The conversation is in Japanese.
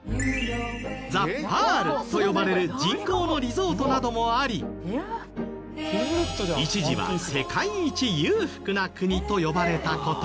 ザ・パールと呼ばれる人工のリゾートなどもあり一時は「世界一裕福な国」と呼ばれた事も。